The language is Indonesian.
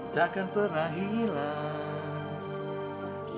takkan pernah hilang